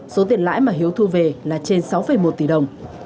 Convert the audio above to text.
số tiền lãi mà hiếu thu về là trên sáu một tỷ đồng